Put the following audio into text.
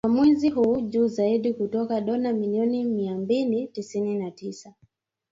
kwa mwezi huu juu zaidi kutoka dola milioni mia mbili tisini na tisa